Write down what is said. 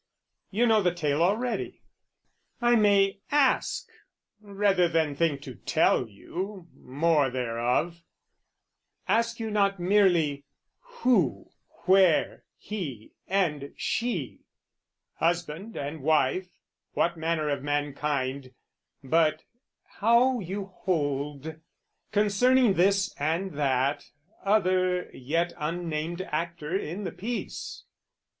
You know the tale already: I may ask, Rather than think to tell you, more thereof, Ask you not merely who were he and she, Husband and wife, what manner of mankind, But how you hold concerning this and that Other yet unnamed actor in the piece.